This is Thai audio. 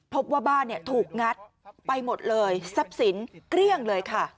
พบว่าบ้านถูกงัดไปหมดเลยทรัพย์สินเกลี้ยงเลยค่ะ